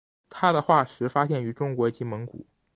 它的化石发现于中国及蒙古。